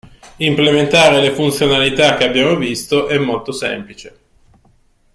Implementare le funzionalità che abbiamo visto è molto semplice!